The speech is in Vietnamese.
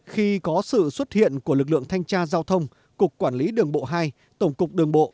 khi có sự xuất hiện của lực lượng thanh tra giao thông cục quản lý đường bộ hai tổng cục đường bộ